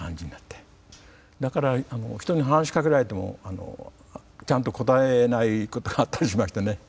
だから人に話しかけられてもちゃんと答えないことがあったりしましてね。